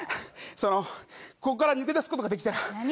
そのここから抜け出す事ができたら何？